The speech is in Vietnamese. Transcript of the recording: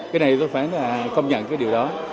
cái này tôi phải là công nhận cái điều đó